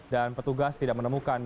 dan petugas tidak menemukan